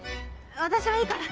私はいいから。